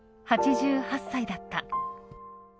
８８歳だった。